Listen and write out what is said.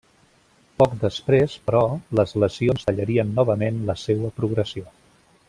Poc després, però, les lesions tallarien novament la seua progressió.